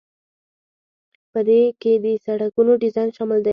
په دې کې د سړکونو ډیزاین شامل دی.